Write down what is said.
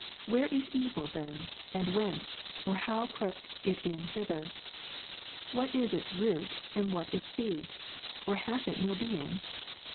Where is evil then, and whence, and how crept it in hither? What is its root, and what its seed ? Or hath it no being